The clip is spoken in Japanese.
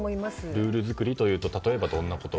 ルール作りというと例えば、どんなことが。